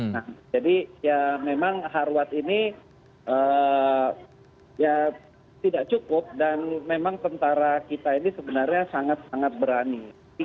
nah jadi ya memang harwad ini ya tidak cukup dan memang tentara kita ini sebenarnya sangat sangat berani